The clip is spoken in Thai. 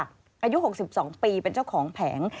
อายุ๖๒ปีเป็นเจ้าของแผง